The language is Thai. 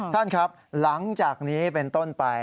ท่านครับหลังจากนี้เป็นต้นไป